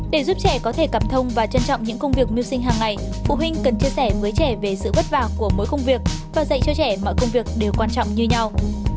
để giúp trẻ có thể cảm thông và trân trọng những công việc mưu sinh hàng ngày phụ huynh cần chia sẻ với trẻ về sự vất vả của mỗi công việc và dạy cho trẻ mọi công việc đều quan trọng như nhau